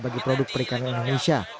bagi produk perikanan indonesia